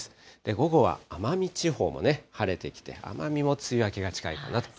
午後は奄美地方も晴れてきて、奄美も梅雨明けが近いかなと。